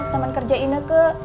temen kerja ini ke